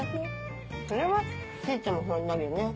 それはしーちゃんも不安になるよね。